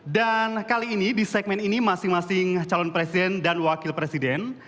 dan kali ini di segmen ini masing masing calon presiden dan wakil presiden